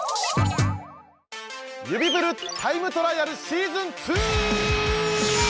「指プルタイムトライアルシーズン２」！